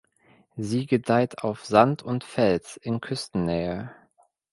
Sie gedeiht auf Sand und Fels in Küstennähe.